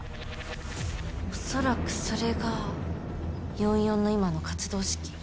恐らくそれが４４の今の活動資金。